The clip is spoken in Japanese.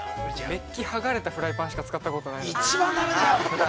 ◆メッキ剥がれたフライパンしか使ったことなかった。